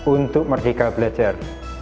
untuk merdeka belajar